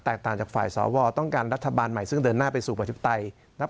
ต่างจากฝ่ายสวต้องการรัฐบาลใหม่ซึ่งเดินหน้าไปสู่ประชาธิปไตยนับ